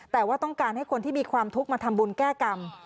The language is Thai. แต่ว่าต้องการให้คนที่มีความทุกข์มาทำบุญแก้กรรม